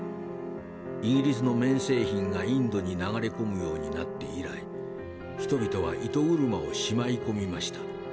イギリスの綿製品がインドに流れ込むようになって以来人々は糸車をしまい込みました。